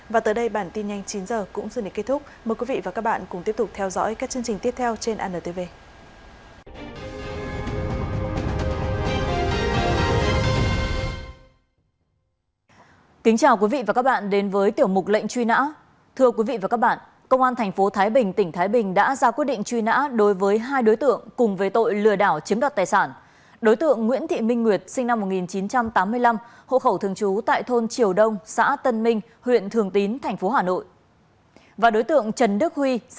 và tới đây bản tin nhanh chín h cũng xin kết thúc mời quý vị và các bạn cùng tiếp tục